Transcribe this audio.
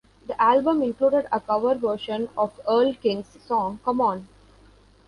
The album included a cover version of Earl King's song, "Come On".